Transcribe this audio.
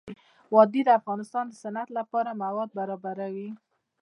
وادي د افغانستان د صنعت لپاره مواد برابروي.